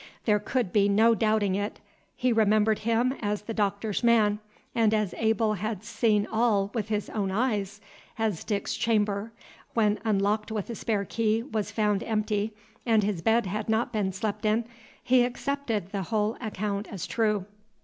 There could be no doubting it; he remembered him as the Doctor's man; and as Abel had seen all with his own eyes, as Dick's chamber, when unlocked with a spare key, was found empty, and his bed had not been slept in, he accepted the whole account as true.